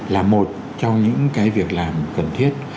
là một trong những cái việc làm cần thiết